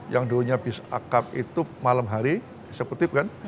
yang dulunya bis akap itu malam hari eksekutif kan